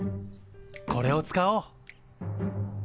これを使おう。